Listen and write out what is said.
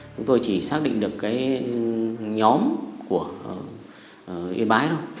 chúng tôi chỉ xác định được cái nhóm của yên bái thôi